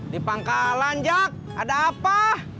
di pangkalan jack ada apa